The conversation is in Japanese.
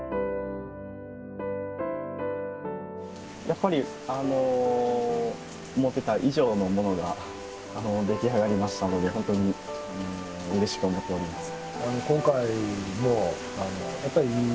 やっぱり思ってた以上のものが出来上がりましたので本当にうれしく思っております。